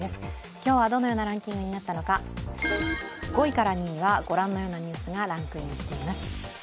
今日はどのようなランキングになったのか、５位から２位はご覧のようなニュースがランクインしています。